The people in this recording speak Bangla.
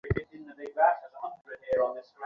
আমাকে তোমার সাথে ড্রিংকের আমন্ত্রণ জানাবে।